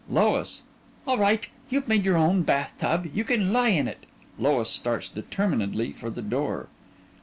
LOIS: All right. You've made your own bath tub; you can lie in it. (_LOIS starts determinedly for the door.